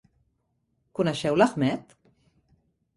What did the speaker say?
Coneixeu l'Ahmed?